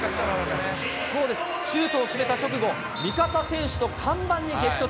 そうです、シュートを決めた直後、味方選手と看板に激突。